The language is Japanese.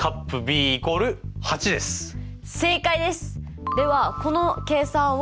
正解です！